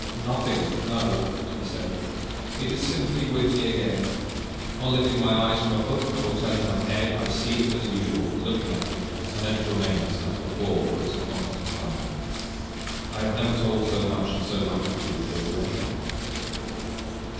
"Nothing no," he said. "It is simply with me again. On lifting my eyes from a book, or turning my head, I see it, as usual, looking at me, and then it remains, as before, for its appointed time. I have never told so much and so minutely before to any one."